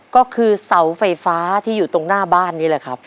ก็คือเสาไฟฟ้าที่อยู่ตรงหน้าบ้านนี่แหละครับ